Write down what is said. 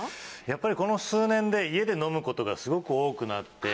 やっぱりこの数年で家で飲むことがすごく多くなって。